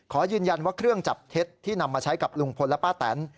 ขอยืนยันว่าเครื่องจับเท็จที่นำมาใช้กับลุงพลและป้าแตน